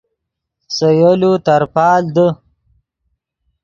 سے یولو ترپال دے